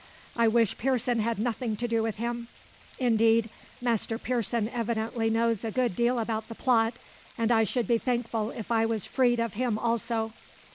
I wish Pearson had nothing to do with him. Indeed, Master Pearson evidently knows a good deal about the plot; and I should be thankful if I was free of him also.